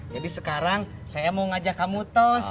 jadi sekarang saya mau ngajak kamu tos